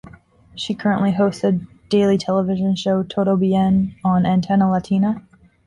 She currently hosts a daily television show "Todo Bien" on Antena Latina.